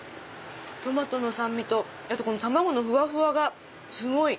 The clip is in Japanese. トマトの酸味と卵のふわふわがすごい！